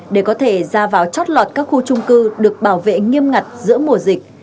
để có thể ra vào chót lọt các khu trung cư được bảo vệ nghiêm ngặt giữa mùa dịch